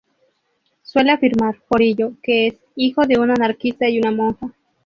Suele afirmar, por ello, que es "hijo de un anarquista y una monja".